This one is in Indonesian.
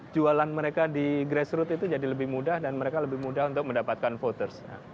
jualan mereka di grassroot itu jadi lebih mudah dan mereka lebih mudah untuk mendapatkan voters